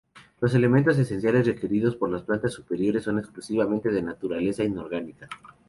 Los elementos esenciales requeridos por las plantas superiores son exclusivamente de naturaleza inorgánica.